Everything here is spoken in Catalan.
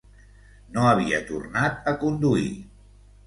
No havia tornat a conduir...